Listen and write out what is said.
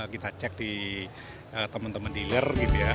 kita cek di teman teman dealer